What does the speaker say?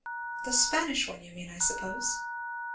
"The Spanish one, you mean, I suppose?"